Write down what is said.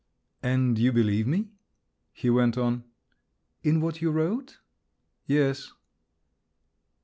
"And you believe me?" he went on. "In what you wrote?" "Yes."